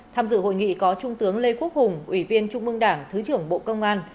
tham dự hội nghị có trung tướng lê quốc hùng ủy viên trung mương đảng thứ trưởng bộ công an